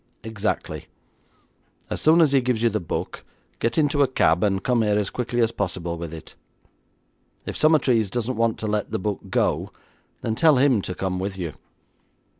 Exactly. As soon as he gives you the book, get into a cab, and come here as quickly as possible with it. If Summertrees doesn't want to let the book go, then tell him to come with you.